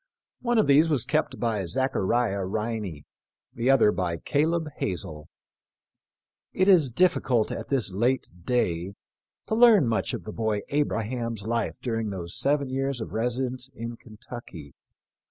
One of these was kept by Zachariah Riney, the other by Caleb Hazel. It is difficult at this late day to learn much of the boy Abraham's life during those seven years of resi 16 THE LIFE OF LINCOLN. 17 dence in Kentucky.